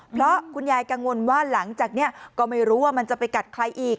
เพราะคุณยายกังวลว่าหลังจากนี้ก็ไม่รู้ว่ามันจะไปกัดใครอีก